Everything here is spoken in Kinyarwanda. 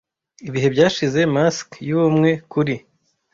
'' Ibihe byashize, mask yubumwe kuri,